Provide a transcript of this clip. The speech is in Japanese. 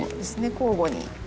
交互に。